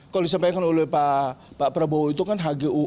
kalau disampaikan oleh pak prabowo itu kan hgu